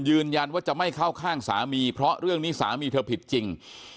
ยืนยันว่าจะไม่เข้าข้างสามีเพราะเรื่องนี้สามีเธอผิดจริง